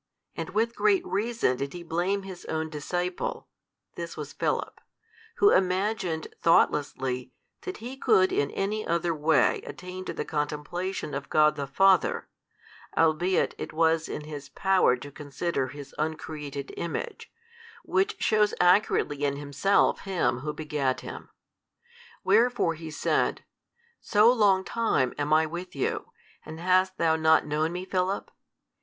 And with great reason did He blame His own disciple (this was Philip) who imagined thoughtlessly that he could in any other way attain to the contemplation of God the Father, albeit it was in his power to consider His Uncreated Image, which shews accurately in Himself Him Who begat Him. Wherefore He said, So long time am I with you, and hast thou not known Me Philip?